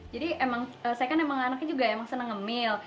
jadi saya kan anaknya juga senang ngemil